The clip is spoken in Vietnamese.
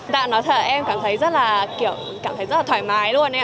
dạ nói thật là em cảm thấy rất là thoải mái luôn